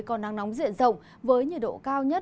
có nắng nóng diện rộng với nhiệt độ cao nhất